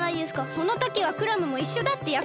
そのときはクラムもいっしょだってやくそくしたじゃん！